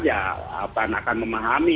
ya akan memahami